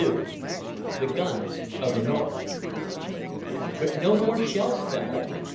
The Guns of the North But no more shells fell.